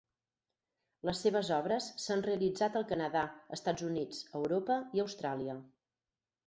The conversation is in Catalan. Les seves obres s'han realitzat al Canadà, Estats Units, Europa i Austràlia.